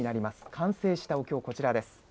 完成したお経、こちらです。